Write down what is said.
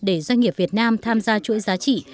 để doanh nghiệp việt nam tham gia chuỗi giá trị